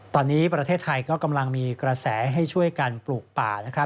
ตอนนี้ประเทศไทยก็กำลังมีกระแสให้ช่วยกันปลูกป่านะครับ